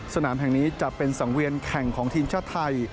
สนามแห่งนี้จะเป็นสังเวียนแข่งของทีมชาติไทย